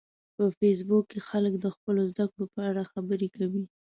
په فېسبوک کې خلک د خپلو زده کړو په اړه خبرې کوي